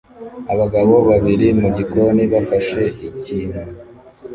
Abagabo babiri mu gikoni bafashe ikintu